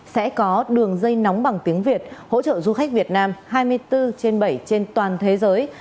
sẽ có đường dây nóng bằng tiếng việt hỗ trợ du khách việt nam hai mươi bốn trên bảy trên toàn thế giới